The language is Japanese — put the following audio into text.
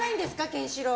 ケンシロウ。